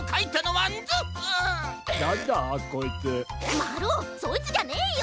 まるおそいつじゃねえよ！